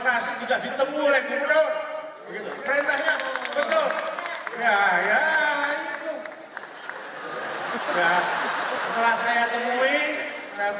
lapan atas keluhan kaum buruh